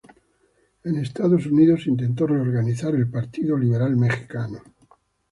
En Estados Unidos intentó reorganizar el Partido Liberal Mexicano.